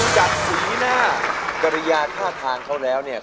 ถ้าหยุดร้องถูก๔มือ